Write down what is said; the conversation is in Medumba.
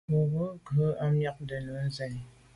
Bo ghù à miagte nu sènni.